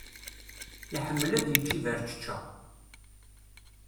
Iḥemmel ad yečč iberčečča.